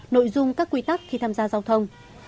nội dung các quy tắc khi tham gia giao thông